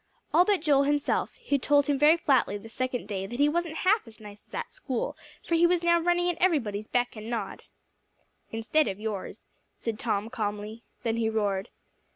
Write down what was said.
All but Joel himself, who told him very flatly the second day that he wasn't half as nice as at school, for he was now running at everybody's beck and nod. "Instead of yours," said Tom calmly. Then he roared.